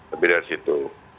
lebih dari situ